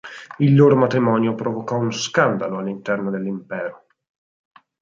Il loro matrimonio provocò uno scandalo all'interno dell'Impero.